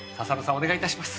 お願いいたします。